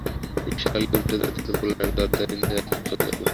নিসার আলি উঠে দাঁড়াতে-দাঁড়াতে বললেন, আমি আমার নিজের আস্তানায় চলে যাব।